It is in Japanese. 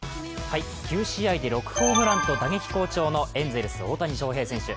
９試合で６ホームランと打撃好調のエンゼルス・大谷翔平選手。